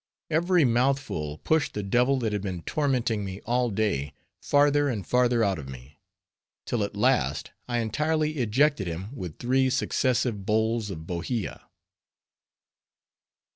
Every mouthful pushed the devil that had been tormenting me all day farther and farther out of me, till at last I entirely ejected him with three successive bowls of Bohea.